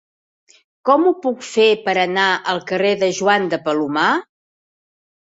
Com ho puc fer per anar al carrer de Joan de Palomar?